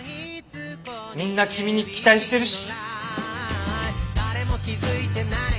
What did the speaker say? みんな君に期待してるし。